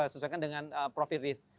sesuaikan dengan profit risk